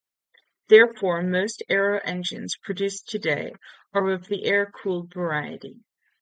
Therefore, most aero engines produced today are of the air cooled variety.